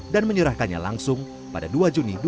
dan menyerahkannya langsung pada dua juni dua ribu dua puluh tiga